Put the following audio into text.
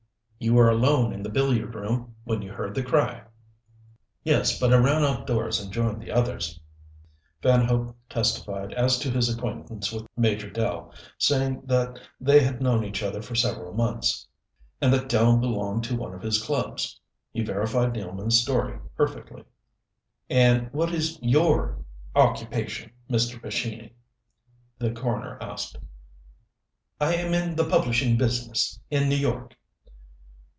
"You were alone in the billiard room when you heard the cry?" "Yes. But I ran outdoors and joined the others." Van Hope testified as to his acquaintance with Major Dell, saying that they had known each other for several months, and that Dell belonged to one of his clubs. He verified Nealman's story perfectly. "And what is your occupation, Mr. Pescini?" the coroner asked. "I am in the publishing business, in New York."